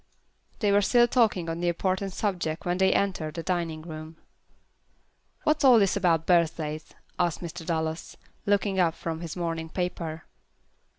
They were still talking on the important subject when they entered the dining room. "What's all this about birthdays?" asked Mr. Dallas, looking up from his morning paper.